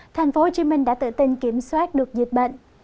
tp hcm đã tự tin kiểm soát được dịch bệnh